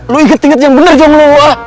lo inget inget yang bener jangan meluah